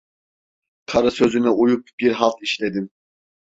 Karı sözüne uyup bir halt işledim!